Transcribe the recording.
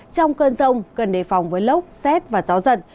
trong cơn rông cần đề phòng với lốc xét và gió giật